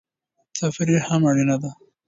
تفریح هم اړینه ده.